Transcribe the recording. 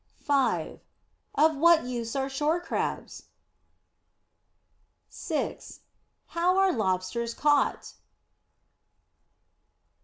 5. Of what use are Shore Crabs? 6. How are Lobsters caught?